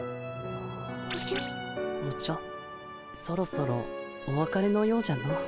そろそろおわかれのようじゃの。